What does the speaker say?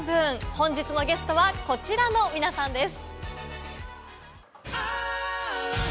本日のゲストはこちらの皆さんです。